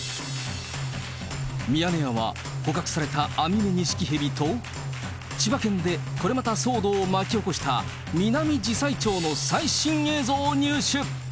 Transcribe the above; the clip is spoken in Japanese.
ミヤネ屋は、捕獲されたアミメニシキヘビと千葉県でこれまた騒動を巻き起こしたミナミジサイチョウの最新映像を入手。